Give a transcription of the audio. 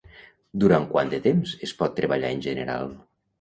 Durant quant de temps es pot treballar en general?